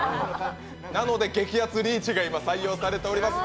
なので激熱リーチが採用されております。